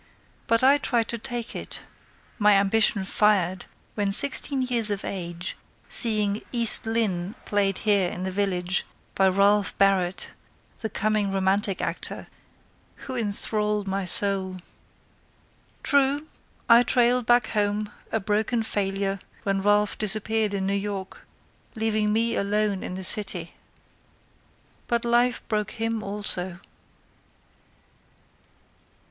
But I tried to take it, my ambition fired When sixteen years of age, Seeing "East Lynne," played here in the village By Ralph Barrett, the coming Romantic actor, who enthralled my soul. True, I trailed back home, a broken failure, When Ralph disappeared in New York, Leaving me alone in the city— But life broke him also.